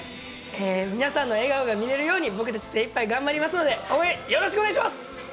皆さんの笑顔が見れるように、僕たち精いっぱい頑張りますので、応援よろしくお願いします！